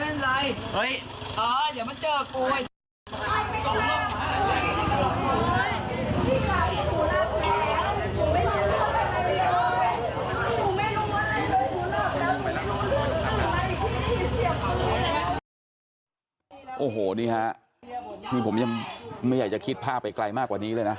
โอ้โหนี่ฮะนี่ผมยังไม่อยากจะคิดภาพไปไกลมากกว่านี้เลยนะ